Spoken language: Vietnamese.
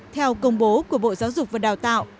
theo công bố của bộ giáo dục và đào tạo